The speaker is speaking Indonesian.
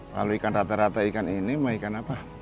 kalau ikan rata rata ikan ini mah ikan apa